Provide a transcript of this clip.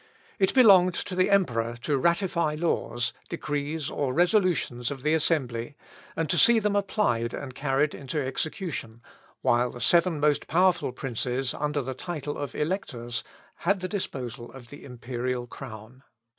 It belonged to the emperor to ratify the laws, decrees, or resolutions of the assembly, and to see them applied and carried into execution, while the seven most powerful princes under the title of Electors, had the disposal of the imperial crown.